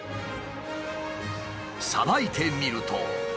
さばいてみると。